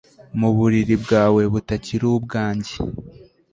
Mu buriri bwawe butakiri ubwanjye